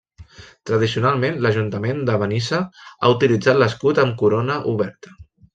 Tradicionalment l'Ajuntament de Benissa ha utilitzat l'escut amb corona oberta.